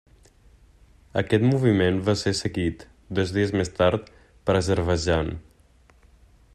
Aquest moviment va ser seguit, dos dies més tard, per Azerbaidjan.